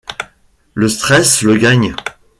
Le stress le gagne.